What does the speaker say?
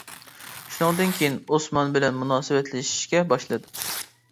شۇنىڭدىن كېيىن ئوسمان بىلەن مۇناسىۋەتلىشىشكە باشلىدىم.